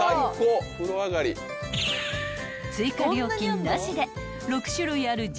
［追加料金なしで６種類ある地